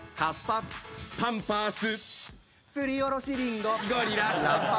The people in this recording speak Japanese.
パンパース。